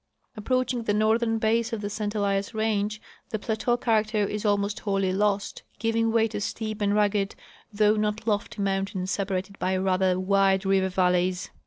Approaching the northern base of the St Elias range the plateau character is almost Avholly lost, giving Ava}^ to steep and rugged though not lofty mountains separated by rather wide river valleys.